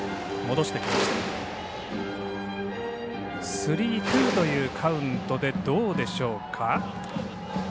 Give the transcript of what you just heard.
スリーツーというカウントでどうでしょうか。